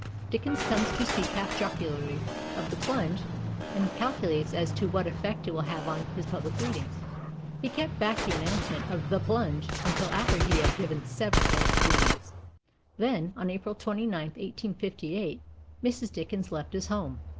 Dickens comes to speak half jocularly of "the plunge," and calculates as to what effect it will have on his public readings. He kept back the announcement of "the plunge" until after he had given several readings; then, on April 29, 1858, Mrs. Dickens left his home.